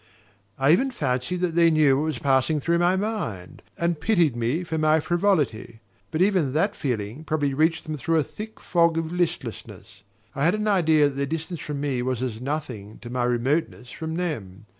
I even fancied that they knew what was passing through my mind, and pitied me for my frivolity. But even that feeling probably reached them through a thick fog of listlessness. I had an idea that their distance from me was as nothing to my remoteness from them.